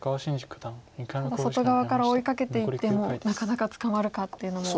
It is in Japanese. ただ外側から追いかけていってもなかなか捕まるかっていうのも。